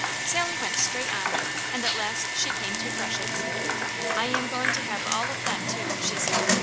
Sally went straight on and at last she came to Freshetts. "I am going to have all of them, too," she said.